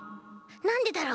なんでだろう？